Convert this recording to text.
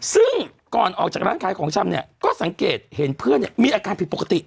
ซึ่งก่อนออกจากร้านค้ายของฉันก็สังเกตเห็นเพื่อนมีอาการผิดปกติ